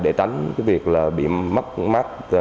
để tránh việc bị mắc mắc